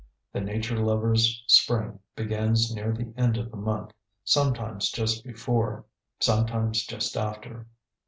The nature lover's spring begins near the end of the month, sometimes just before, sometimes just after.